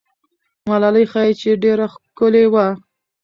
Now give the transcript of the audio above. ملالۍ ښایي چې ډېره ښکلې وه.